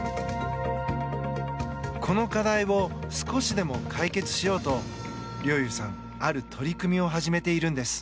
この課題を少しでも解決しようと陵侑さん、ある取り組みを始めているんです。